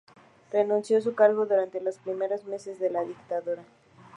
Renunció a su cargo durante los primeros meses de la dictadura.